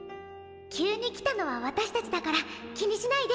急に来たのは私たちだから気にしないで。